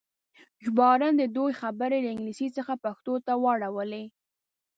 ژباړن د دوی خبرې له انګلیسي څخه پښتو ته واړولې.